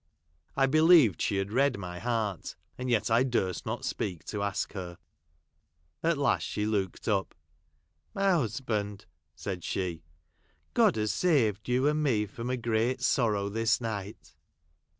I believed she had read my heart ; and yet I durst not speak to ask her. At last she looked up. " My husband," said she, " God has saved you and me from a great sorrow this night."